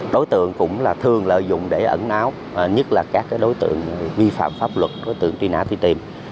đối tượng cũng là thường lợi dụng để ẩn náo nhất là các đối tượng vi phạm pháp luật đối tượng truy nã truy tìm